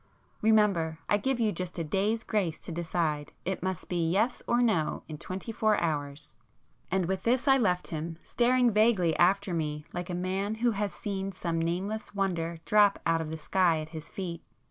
Remember, I give you just a day's grace to decide,—it must be yes or no, in twenty four hours!" And with this I left him, staring vaguely after me like a man who has seen some nameless wonder drop out of the sky at his feet.